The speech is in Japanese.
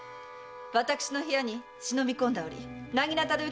私の部屋に忍び込んだ折なぎなたで受けた傷ですね！